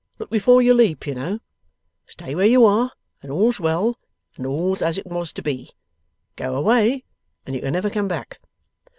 Look before you leap, you know. Stay where you are, and all's well, and all's as it was to be. Go away, and you can never come back.